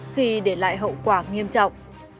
khi để lại hậu quả nghiêm trọng